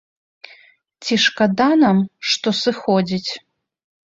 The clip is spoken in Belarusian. Ці шкада нам, што сыходзіць?